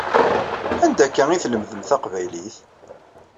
Anda akka i tlemdem taqbaylit?